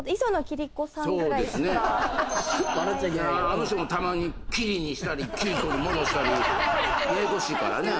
あの人もたまに貴理にしたり貴理子に戻したりややこしいからね。